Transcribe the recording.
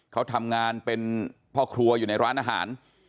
เขาทำงานเป็นพ่อครัวอยู่ในร้านอาหาร